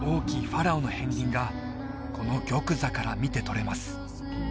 ファラオの片りんがこの玉座から見て取れます